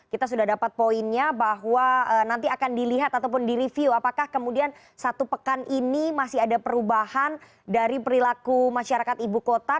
kita sudah dapat poinnya bahwa nanti akan dilihat ataupun direview apakah kemudian satu pekan ini masih ada perubahan dari perilaku masyarakat ibu kota